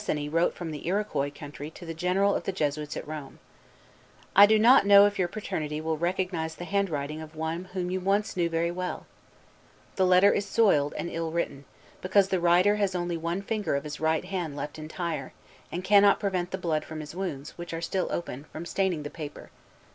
On the fifteenth of July following, Bressani wrote from the Iroquois country to the General of the Jesuits at Rome: "I do not know if your Paternity will recognize the handwriting of one whom you once knew very well. The letter is soiled and ill written; because the writer has only one finger of his right hand left entire, and cannot prevent the blood from his wounds, which are still open, from staining the paper.